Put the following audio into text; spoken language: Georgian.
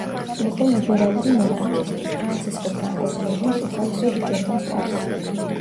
იყო ლიბერალური მონარქისტი, ფრანცისკო ფრანკოს რეჟიმს უხალისოდ უჭერდა მხარს.